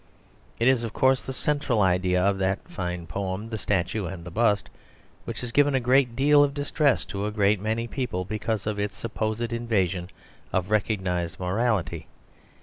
It is, of course, the central idea of that fine poem, "The Statue and the Bust," which has given a great deal of distress to a great many people because of its supposed invasion of recognised morality.